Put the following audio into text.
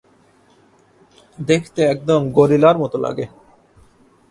দেখতে একদম গরিলার মতো লাগে।